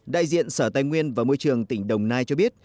đại diện sở tài nguyên và môi trường tỉnh đồng nai cho biết